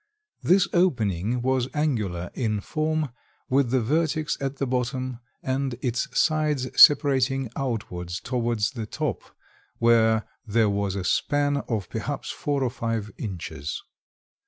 This opening was angular in form with the vertex at the bottom and its sides separating outwards towards the top, where there was a span of perhaps four or five inches.